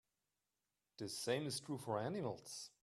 The same is true for animals.